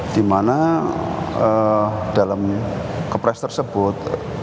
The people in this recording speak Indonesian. dimana dalam kepres tersebut